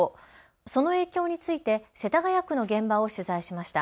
その影響について世田谷区の現場を取材しました。